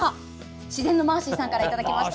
しぜんのまーしーさんからいただきました。